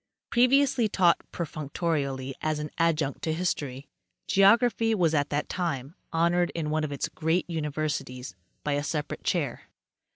Previously taught perfunctorily as an adjunct to history, geography was at that time honored in one of its great universities by a separate chair.